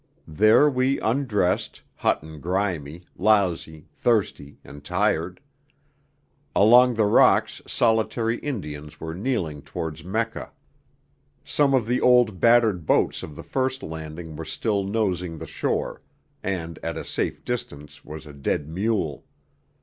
There we undressed, hot and grimy, lousy, thirsty, and tired. Along the rocks solitary Indians were kneeling towards Mecca. Some of the old battered boats of the first landing were still nosing the shore, and at a safe distance was a dead mule.